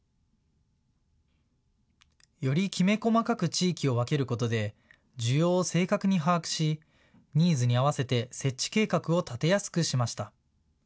よりきめ細かく地域を分けることで需要を正確に把握しニーズに合わせて設置計画を立てやすくしました。